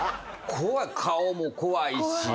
怖い顔も怖いし。